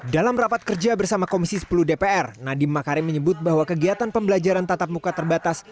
dalam rapat kerja bersama komisi sepuluh dpr nadiem makarim menyebut bahwa kegiatan pembelajaran tatap muka terbatas